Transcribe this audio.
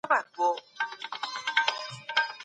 زحمت بې اجره نه وي.